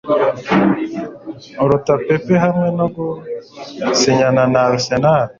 uruta Pepe hamwe no gusinyana na Arsenal